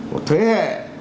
một thế hệ